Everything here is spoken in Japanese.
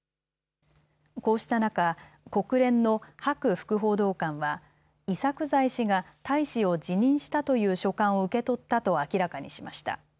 こうした中、国連のハク副報道官はイサクザイ氏が大使を辞任したという書簡を受け取ったと明らかにしました。